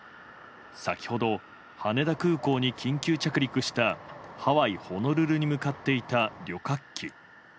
先ほど、羽田空港に緊急着陸したハワイ・ホノルルに向かっていた旅客機。